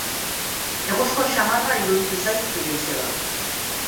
Egoskor samarra iruditu zait zure izeba.